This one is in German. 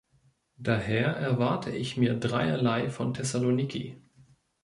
Daher erwarte ich mir dreierlei von Thessaloniki.